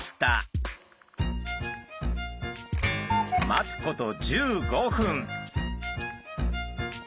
待つこと１５分。